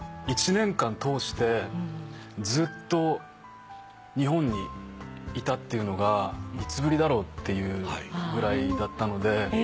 １年間通してずっと日本にいたっていうのがいつぶりだろうっていうぐらいだったので。